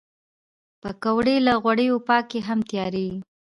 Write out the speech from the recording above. پکورې له غوړیو پاکې هم تیارېږي